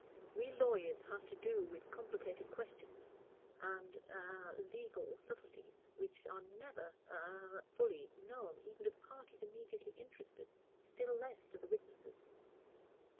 We lawyers have to do with complicated questions, and a legal subtleties, which are never a fully known even to the parties immediately interested, still less to the witnesses.